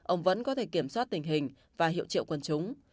ông vẫn có thể kiểm soát tình hình và hiệu triệu quân chúng